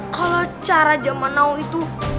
kalau cara zaman now itu